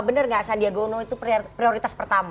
bener gak sandi agono itu prioritas pertama